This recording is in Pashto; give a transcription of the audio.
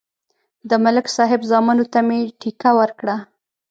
د ملک صاحب زامنو ته مې ټېکه ورکړه.